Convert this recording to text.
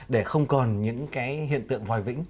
để không còn những hiện tượng vòi vĩnh